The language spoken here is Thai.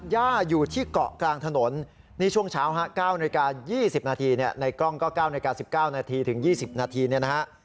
อยู่ที่เกาะกลางถนนในช่วงเช้า๙น๒๐นในกล้องก็๙น๑๙นถึง๒๐นนะฮะ